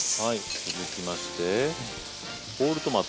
続きましてホールトマト。